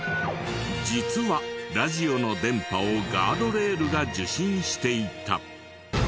実はラジオの電波をガードレールが受信していた。